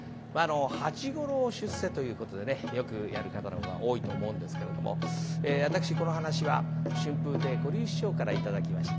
「八五郎出世」ということでねよくやる方のほうが多いと思うんですけれども私この噺は春風亭小柳枝師匠から頂きまして。